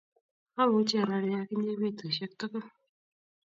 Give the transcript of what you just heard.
Amuchi arori ak inye petusiek tugul